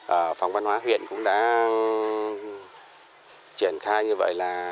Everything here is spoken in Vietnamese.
ở phòng văn hóa huyện cũng đã triển khai như vậy là